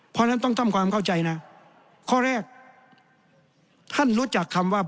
เพราะฉะนั้นต้องทำความเข้าใจนะข้อแรกท่านรู้จักคำว่า